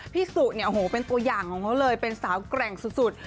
สุเนี่ยโอ้โหเป็นตัวอย่างของเขาเลยเป็นสาวแกร่งสุด